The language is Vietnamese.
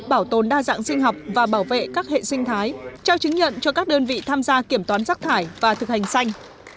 bảo tồn đa dạng sinh học và bảo vệ các hệ sinh thái trao chứng nhận cho các đơn vị tham gia kiểm toán rác thải và thực hành xanh